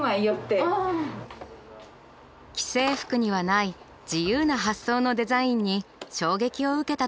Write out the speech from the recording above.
既製服にはない自由な発想のデザインに衝撃を受けたといいます。